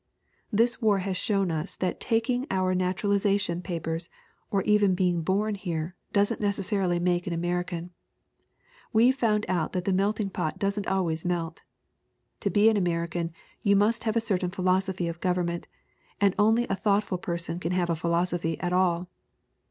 "This war has shown us that taking out naturaliza tion papers, or even being born here, doesn't neces sarily make an American. We've found out that the melting pot doesn't always melt. To be an American you must have a certain philosophy of government, and only a thoughtful person can have a philosophy at all.